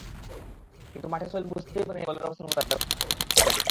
কিন্তু মাঠে সোহেল বুঝতেই পারেনি বলের অবস্থান কোথায়, ওকে কোথায় থাকতে হবে।